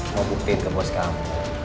mau buktiin ke bos kamu